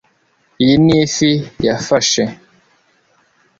Iyi ni ifi yafashe